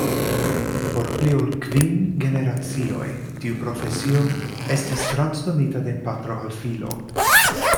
Por pli ol kvin generacioj tiu profesio estis transdonita de patro al filo.